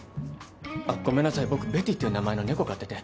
あっごめんなさい僕ＢＥＴＴＹっていう名前の猫飼ってて。